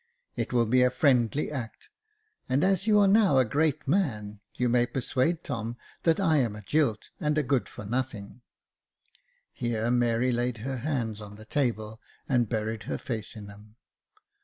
It will be a friendly act ; and as you are now a great man, you may persuade Tom that I am a jilt and a good for nothing." Jacob Faithful 379 Here Mary laid her hands on the table, and buried her face in them.